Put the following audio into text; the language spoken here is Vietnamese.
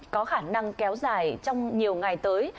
có khả năng kéo dài trong nhiều ngày tới